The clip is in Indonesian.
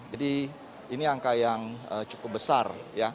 jadi ini angka yang cukup besar